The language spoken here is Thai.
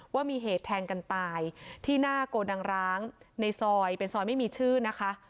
ว่ามีเหตุแทงกันตายที่หน้าโกดังร้างในซอยเป็นซอยไม่มีชื่อนะคะ